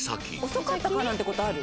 「遅かったからなんて事ある？」